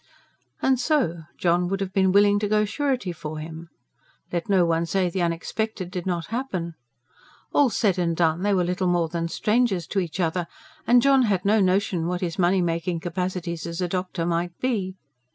And so John would have been willing to go surety for him! Let no one say the unexpected did not happen. All said and done, they were little more than strangers to each other, and John had no notion what his money making capacities as a doctor might be.